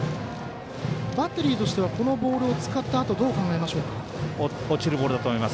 バッテリーとしてはこのボールを使ったあとどう考えましょうか？